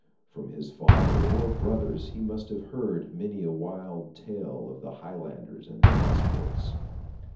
From his father or brothers he must have heard many a wild tale of the Highlanders and their exploits.